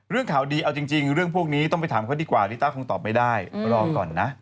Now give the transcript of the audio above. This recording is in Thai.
เรื่องข่าวดีเอาจริงเรื่องพวกนี้ต้องไปถามเขาดีกว่าลิต้าคงตอบไม่ได้รอก่อนนะ